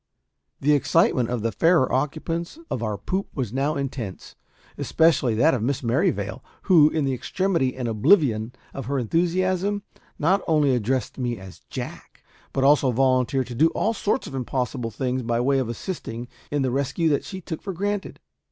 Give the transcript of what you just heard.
The excitement of the fairer occupants of our poop was now intense, especially that of Miss Merrivale, who, in the extremity and oblivion of her enthusiasm, not only addressed me as "Jack," but also volunteered to do all sorts of impossible things by way of assisting in the rescue that she took for granted.